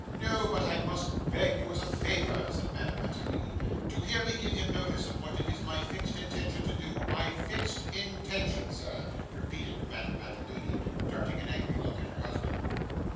'No, but I must beg you as a favour,' said Madame Mantalini, 'to hear me give him notice of what it is my fixed intention to do my fixed intention, sir,' repeated Madame Mantalini, darting an angry look at her husband.